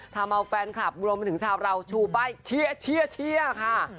ทำเอาแฟนคลับรวมมาถึงชาวเราชูป้ายเชียร์เชียร์เชียร์ค่ะ